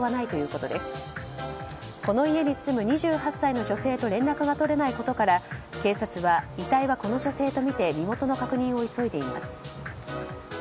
この家に住む２８歳の女性と連絡が取れないことから警察は、遺体はこの女性とみて身元の確認を急いでいます。